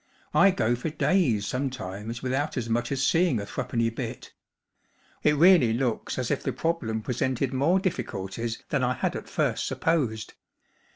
I go lor days sometimes without as much as seeing a threepenny bit. Tt really looks as if the problem presented more difficulties than I had at hrst supposed.